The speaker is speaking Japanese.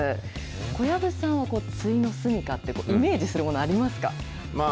小籔さんは、ついの住みかってイメージするものありますか。